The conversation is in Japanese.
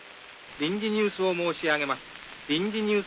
臨時ニュースを申し上げます。